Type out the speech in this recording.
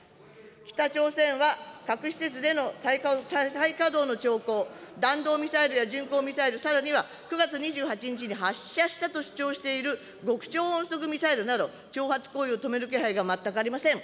北朝鮮は核施設での再稼働の兆候、弾道ミサイルや巡航ミサイル、さらには９月２８日に発射したと主張している極超音速ミサイルなど、挑発行為を止める気配が全くありません。